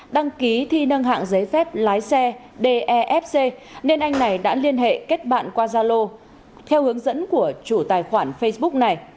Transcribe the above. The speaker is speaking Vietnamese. đăng ký thi nâng hạng giấy phép lái xe defc nên anh này đã liên hệ kết bạn qua zalo theo hướng dẫn của chủ tài khoản facebook này